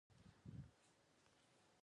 議論は白熱したが、結局結論は出なかった。